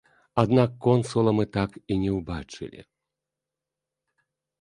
Аднак консула мы так і не ўбачылі.